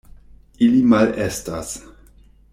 Ili malestas.